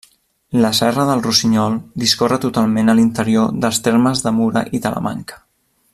La Serra del Rossinyol discorre totalment a l'interior dels termes de Mura i Talamanca.